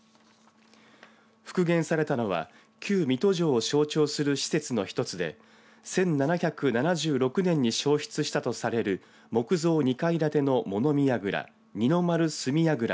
復元されたのは旧水戸城を象徴する施設の一つで１７７６年に焼失したとされる木造２階建ての物見やぐら